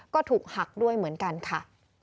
ก็ถูกหักด้วยเหมือนกันค่ะ